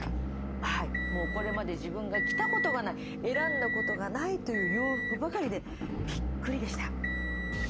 もうこれまで自分が着たことがない選んだことがないという洋服ばかりでビックリでした。